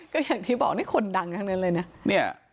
ก็อย่างที่บอกนี่คนดังทั้งนั้นเลยนะ